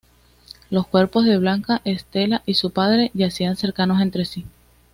Los cuerpos de Blanca Estela y su padre yacían cercanos entre sí.